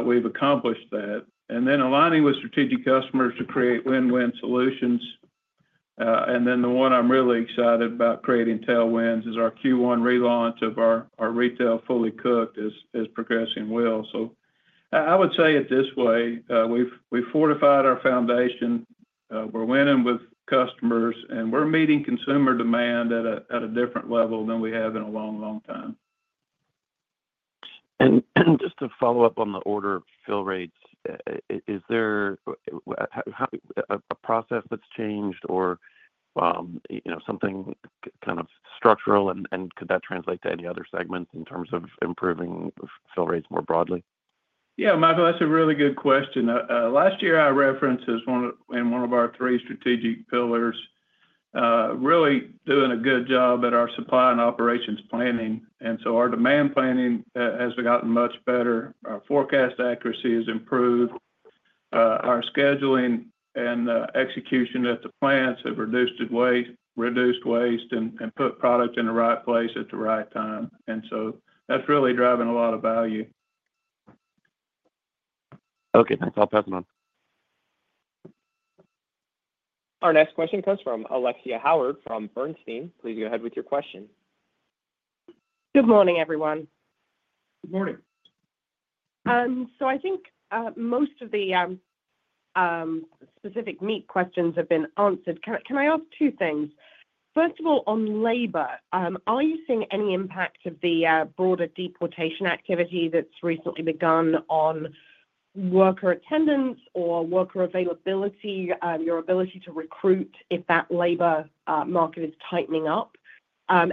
we've accomplished that. And then aligning with strategic customers to create win-win solutions. And then the one I'm really excited about creating tailwinds is our Q1 relaunch of our retail fully cooked is progressing well. So I would say it this way. We've fortified our foundation. We're winning with customers, and we're meeting consumer demand at a different level than we have in a long, long time. Just to follow up on the order fill rates, is there a process that's changed or something kind of structural? Could that translate to any other segments in terms of improving fill rates more broadly? Yeah, Michael, that's a really good question. Last year, I referenced this in one of our three strategic pillars, really doing a good job at our supply and operations planning. And so our demand planning has gotten much better. Our forecast accuracy has improved. Our scheduling and execution at the plants have reduced waste and put product in the right place at the right time. And so that's really driving a lot of value. Okay. Thanks. I'll pass it on. Our next question comes from Alexia Howard from Bernstein. Please go ahead with your question. Good morning, everyone. Good morning. So I think most of the specific meat questions have been answered. Can I ask two things? First of all, on labor, are you seeing any impact of the broader deportation activity that's recently begun on worker attendance or worker availability, your ability to recruit if that labor market is tightening up?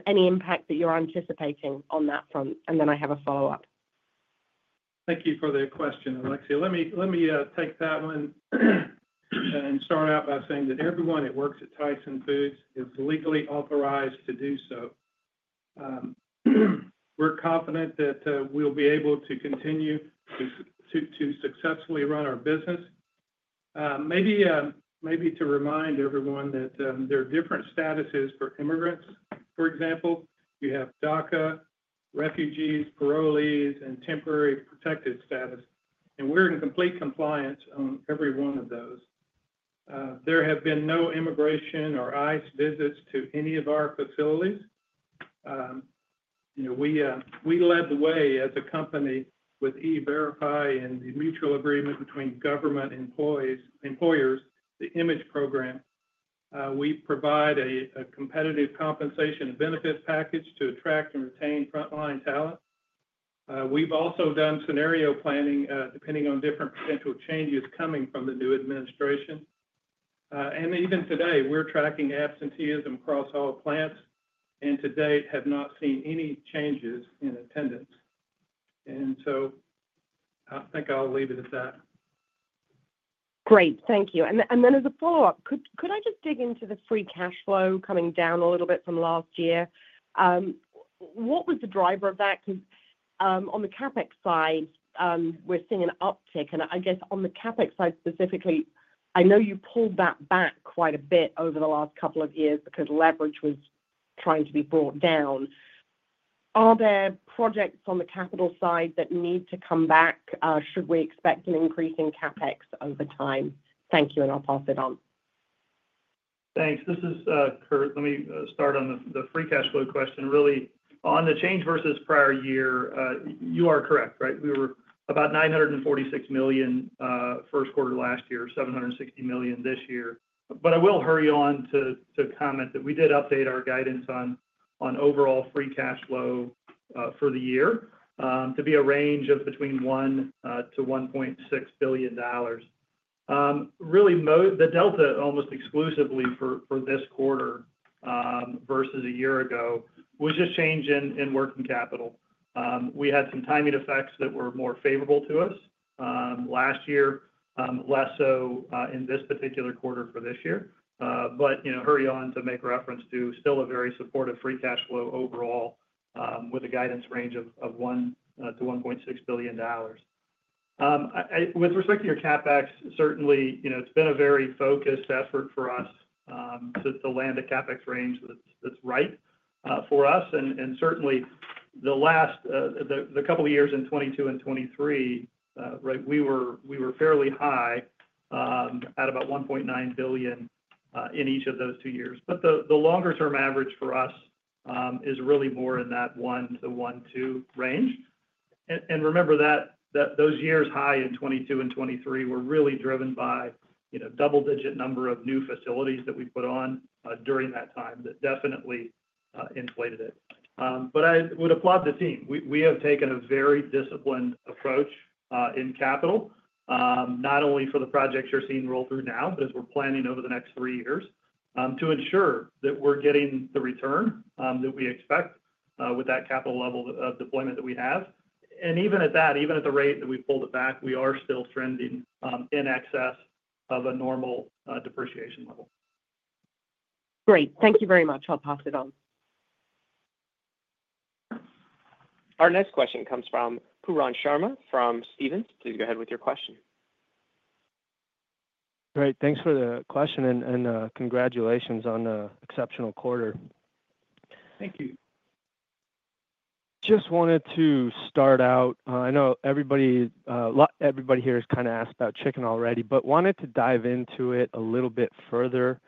Any impact that you're anticipating on that front? And then I have a follow-up. Thank you for the question, Alexia. Let me take that one and start out by saying that everyone that works at Tyson Foods is legally authorized to do so. We're confident that we'll be able to continue to successfully run our business. Maybe to remind everyone that there are different statuses for immigrants. For example, you have DACA, refugees, parolees, and Temporary Protected Status, and we're in complete compliance on every one of those. There have been no immigration or ICE visits to any of our facilities. We led the way as a company with E-Verify and the mutual agreement between government employers, the IMAGE program. We provide a competitive compensation and benefits package to attract and retain frontline talent. We've also done scenario planning depending on different potential changes coming from the new administration, and even today, we're tracking absenteeism across all plants. And to date, have not seen any changes in attendance. And so I think I'll leave it at that. Great. Thank you. And then as a follow-up, could I just dig into the free cash flow coming down a little bit from last year? What was the driver of that? Because on the CapEx side, we're seeing an uptick. And I guess on the CapEx side specifically, I know you pulled that back quite a bit over the last couple of years because leverage was trying to be brought down. Are there projects on the capital side that need to come back? Should we expect an increase in CapEx over time? Thank you, and I'll pass it on. Thanks. This is Curt. Let me start on the free cash flow question. Really, on the change versus prior year, you are correct, right? We were about $946 million first quarter last year, $760 million this year. But I will happy to comment that we did update our guidance on overall free cash flow for the year to be a range of between $1 billion-$1.6 billion. Really, the delta almost exclusively for this quarter versus a year ago was just change in working capital. We had some timing effects that were more favorable to us last year, less so in this particular quarter for this year. But happy to make reference to still a very supportive free cash flow overall with a guidance range of $1 billion-$1.6 billion. With respect to your CapEx, certainly, it's been a very focused effort for us to land a CapEx range that's right for us. And certainly, the last couple of years in 2022 and 2023, right, we were fairly high at about $1.9 billion in each of those two years. But the longer-term average for us is really more in that $1 billion-$1.2 billion range. And remember that those years high in 2022 and 2023 were really driven by a double-digit number of new facilities that we put on during that time that definitely inflated it. But I would applaud the team. We have taken a very disciplined approach in capital, not only for the projects you're seeing roll through now, but as we're planning over the next three years to ensure that we're getting the return that we expect with that capital level of deployment that we have. Even at that, even at the rate that we've pulled it back, we are still trending in excess of a normal depreciation level. Great. Thank you very much. I'll pass it on. Our next question comes from Pooran Sharma from Stephens. Please go ahead with your question. Great. Thanks for the question, and congratulations on an exceptional quarter. Thank you. Just wanted to start out. I know everybody here has kind of asked about Chicken already, but wanted to dive into it a little bit further.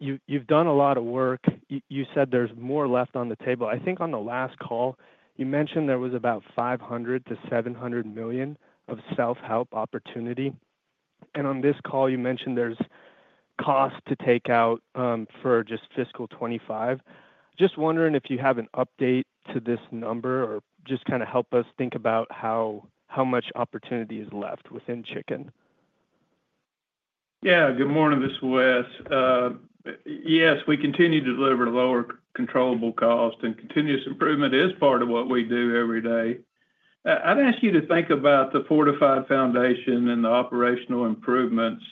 You've done a lot of work. You said there's more left on the table. I think on the last call, you mentioned there was about $500 million-$700 million of self-help opportunity. And on this call, you mentioned there's cost to take out for just fiscal 2025. Just wondering if you have an update to this number or just kind of help us think about how much opportunity is left within Chicken? Yeah. Good morning. This is Wes. Yes, we continue to deliver lower controllable cost, and continuous improvement is part of what we do every day. I'd ask you to think about the fortified foundation and the operational improvements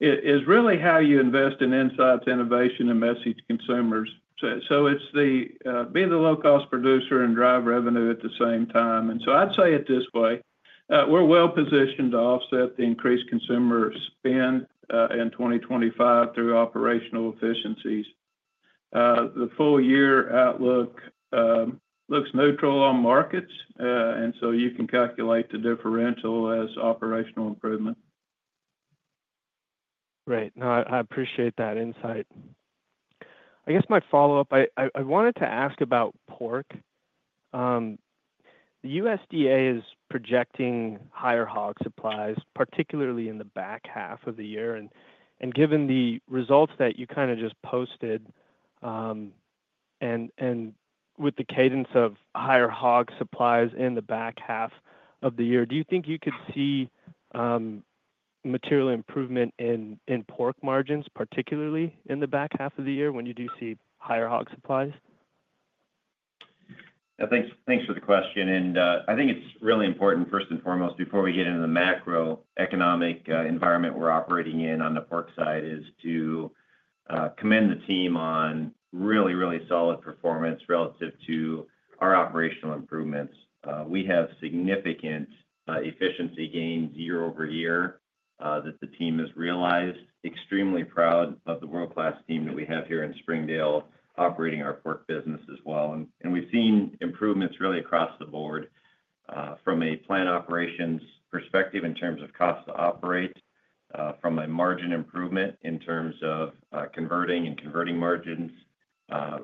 is really how you invest in insights, innovation, and message consumers. So it's to be the low-cost producer and drive revenue at the same time. And so I'd say it this way. We're well-positioned to offset the increased consumer spend in 2025 through operational efficiencies. The full year outlook looks neutral on markets, and so you can calculate the differential as operational improvement. Great. No, I appreciate that insight. I guess my follow-up, I wanted to ask about Pork. The USDA is projecting higher hog supplies, particularly in the back half of the year, and given the results that you kind of just posted and with the cadence of higher hog supplies in the back half of the year, do you think you could see material improvement in Pork margins, particularly in the back half of the year when you do see higher hog supplies? Yeah. Thanks for the question. I think it's really important, first and foremost, before we get into the macroeconomic environment, we're operating in on the Pork side, to commend the team on really, really solid performance relative to our operational improvements. We have significant efficiency gains year-over-year that the team has realized. Extremely proud of the world-class team that we have here in Springdale operating our Pork business as well. We've seen improvements really across the board from a plant operations perspective in terms of cost to operate, from a margin improvement in terms of converting and converting margins,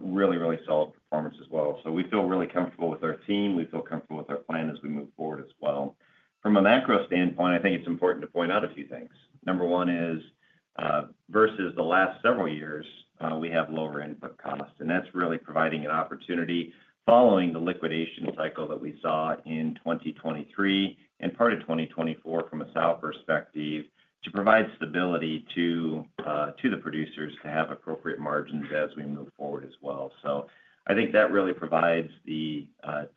really, really solid performance as well. We feel really comfortable with our team. We feel comfortable with our plan as we move forward as well. From a macro standpoint, I think it's important to point out a few things. Number one is, versus the last several years, we have lower input costs, and that's really providing an opportunity following the liquidation cycle that we saw in 2023 and part of 2024 from a sow perspective to provide stability to the producers to have appropriate margins as we move forward as well, so I think that really provides the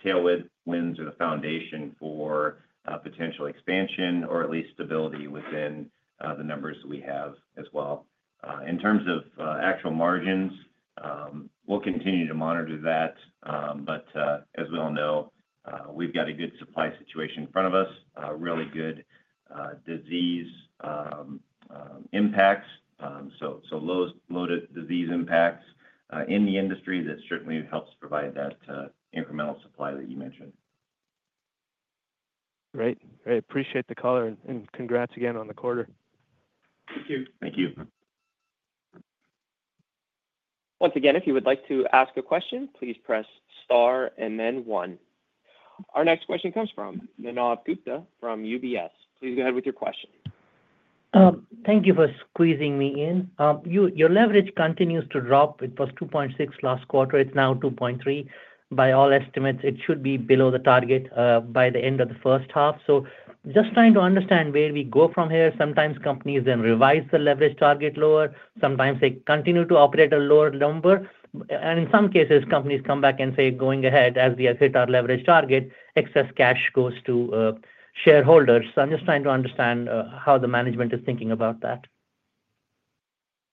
tailwinds or the foundation for potential expansion or at least stability within the numbers that we have as well. In terms of actual margins, we'll continue to monitor that, but as we all know, we've got a good supply situation in front of us, really good disease impacts, so low disease impacts in the industry, that certainly helps provide that incremental supply that you mentioned. Great. Great. Appreciate the call and congrats again on the quarter. Thank you. Thank you. Once again, if you would like to ask a question, please press star and then one. Our next question comes from Manav Gupta from UBS. Please go ahead with your question. Thank you for squeezing me in. Your leverage continues to drop. It was 2.6x last quarter. It's now 2.3x. By all estimates, it should be below the target by the end of the first half. So just trying to understand where we go from here. Sometimes companies then revise the leverage target lower. Sometimes they continue to operate a lower number. And in some cases, companies come back and say, "Going ahead," as they hit our leverage target, excess cash goes to shareholders. So I'm just trying to understand how the management is thinking about that.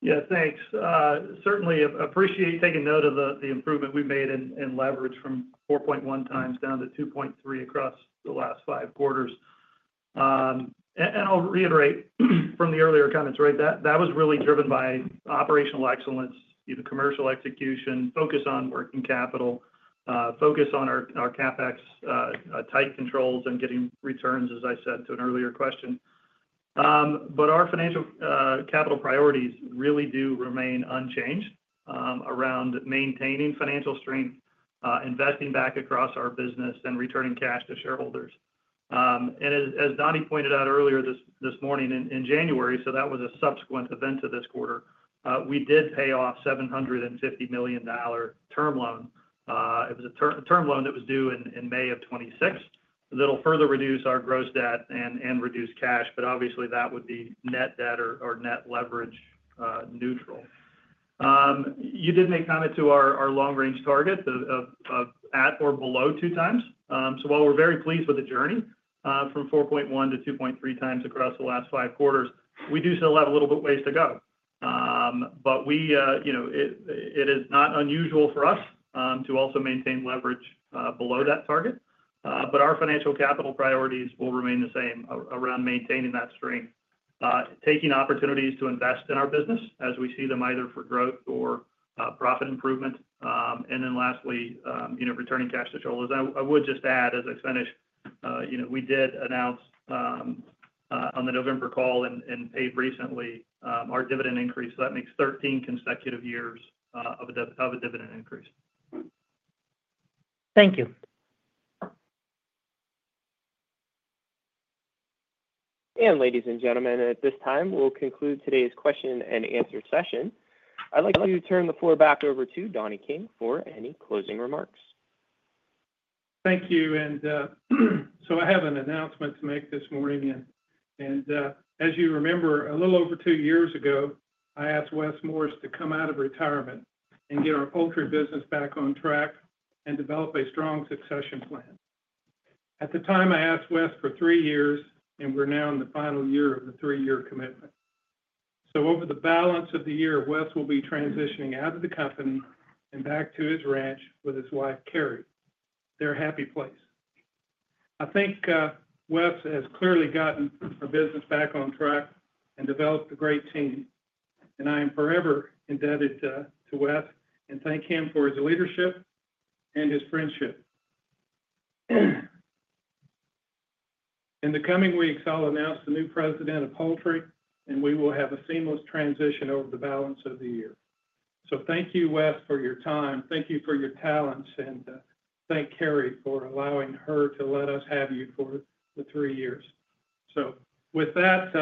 Yeah. Thanks. Certainly appreciate taking note of the improvement we've made in leverage from 4.1x down to 2.3x across the last five quarters. And I'll reiterate from the earlier comments, right? That was really driven by operational excellence, commercial execution, focus on working capital, focus on our CapEx tight controls, and getting returns, as I said, to an earlier question. But our financial capital priorities really do remain unchanged around maintaining financial strength, investing back across our business, and returning cash to shareholders. And as Donnie pointed out earlier this morning in January, so that was a subsequent event to this quarter, we did pay off $750 million term loan. It was a term loan that was due in May of 2026 that'll further reduce our gross debt and reduce cash. But obviously, that would be net debt or net leverage neutral. You did make comment to our long-range target of at or below 2x. So while we're very pleased with the journey from 4.1x to 2.3x across the last five quarters, we do still have a little bit ways to go. But it is not unusual for us to also maintain leverage below that target. But our financial capital priorities will remain the same around maintaining that strength, taking opportunities to invest in our business as we see them either for growth or profit improvement. And then lastly, returning cash to shareholders. I would just add, as I finish, we did announce on the November call and paid recently our dividend increase. So that makes 13 consecutive years of a dividend increase. Thank you. Ladies and gentlemen, at this time, we'll conclude today's question and answer session. I'd like to turn the floor back over to Donnie King for any closing remarks. Thank you. And so I have an announcement to make this morning. And as you remember, a little over two years ago, I asked Wes Morris to come out of retirement and get our Poultry business back on track and develop a strong succession plan. At the time, I asked Wes for three years, and we're now in the final year of the three-year commitment. So over the balance of the year, Wes will be transitioning out of the company and back to his ranch with his wife, Carrie, their happy place. I think Wes has clearly gotten our business back on track and developed a great team. And I am forever indebted to Wes and thank him for his leadership and his friendship. In the coming weeks, I'll announce the new President of Poultry, and we will have a seamless transition over the balance of the year. So thank you, Wes, for your time. Thank you for your talents. And thank Carrie for allowing her to let us have you for the three years. So with that,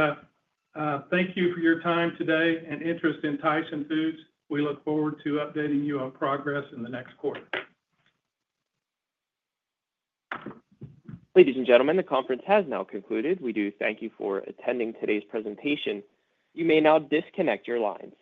thank you for your time today and interest in Tyson Foods. We look forward to updating you on progress in the next quarter. Ladies and gentlemen, the conference has now concluded. We do thank you for attending today's presentation. You may now disconnect your lines.